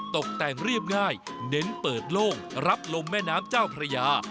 ตกแต่งเรียบง่ายเน้นเปิดโล่งรับลมแม่น้ำเจ้าพระยา